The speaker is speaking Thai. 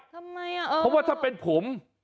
ทำไมอ่ะเพราะว่าถ้าเป็นผม